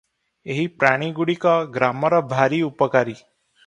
ଏହି ପ୍ରାଣୀଗୁଡ଼ିକ ଗ୍ରାମର ଭାରି ଉପକାରୀ ।